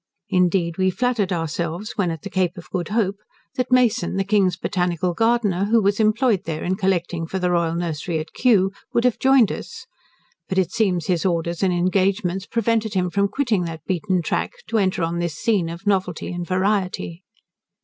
Indeed, we flattered ourselves, when at the Cape of Good Hope, that Mason, the King's botanical gardener, who was employed there in collecting for the royal nursery at Kew, would have joined us, but it seems his orders and engagements prevented him from quitting that beaten track, to enter on this scene of novelty and variety.